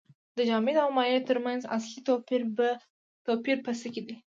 د جامد او مایع ترمنځ اصلي توپیر په څه کې دی